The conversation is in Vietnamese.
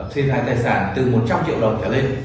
thiếu tai tài sản từ một trăm linh triệu đồng trở lên